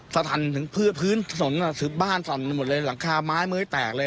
สทันถึงพื้นถนนบ้านสั่นไปหมดเลยหลังคาไม้เมื่อยแตกเลย